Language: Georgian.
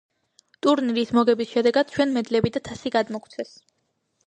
ტურნირის მოგების შედეგად ჩვენ მედლები და თასი გადმოგვცეს